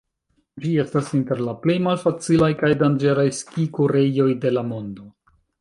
Ĝi estas inter la plej malfacilaj kaj danĝeraj ski-kurejoj de la mondo.